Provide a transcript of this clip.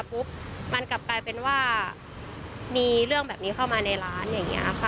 ปุ๊บมันกลับกลายเป็นว่ามีเรื่องแบบนี้เข้ามาในร้านอย่างนี้ค่ะ